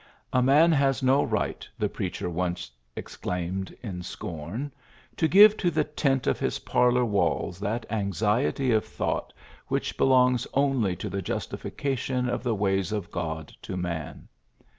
^^A man has no right," the preacher once ex claimed in scorn, ^Ho give to the tint of his parlor walls that anxiety of thought which belongs only to the justification of the ways of God to man."